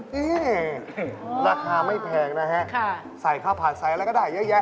นี่ราคาไม่แพงนะฮะใส่ข้าวผัดใส่อะไรก็ได้เยอะแยะ